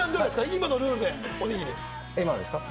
今のルールでおにぎり。